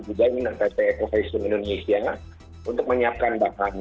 ini adalah pt ekovision indonesia untuk menyiapkan bahan